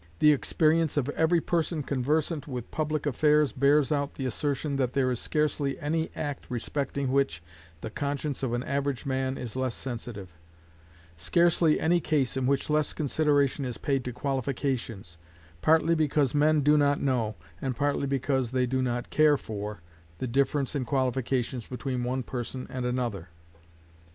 The experience of every person conversant with public affairs bears out the assertion that there is scarcely any act respecting which the conscience of an average man is less sensitive; scarcely any case in which less consideration is paid to qualifications, partly because men do not know, and partly because they do not care for, the difference in qualifications between one person and another.